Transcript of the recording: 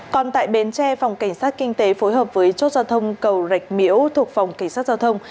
còn tại bến tre phòng cảnh sát kinh tế phối hợp với chốt giao thông cầu rạch miễu thuộc phòng cảnh sát giao thông